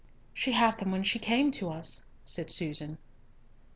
"She had them when she came to us," said Susan.